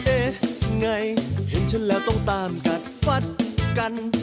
ไงเห็นฉันแล้วต้องตามกัดฟัดกัน